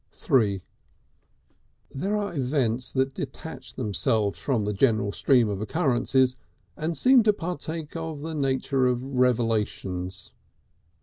III There are events that detach themselves from the general stream of occurrences and seem to partake of the nature of revelations.